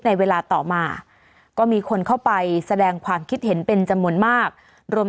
ในเวลาต่อมาก็มีคนเข้าไปแสดงความคิดเห็นเป็นจำนวนมากรวม